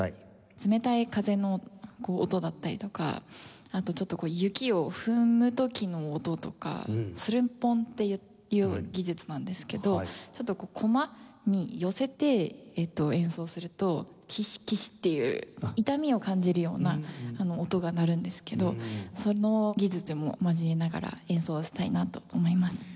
冷たい風の音だったりとかあとちょっと雪を踏む時の音とかスルポンっていう技術なんですけどちょっと駒に寄せて演奏するとキシキシっていう痛みを感じるような音が鳴るんですけどその技術も交えながら演奏したいなと思います。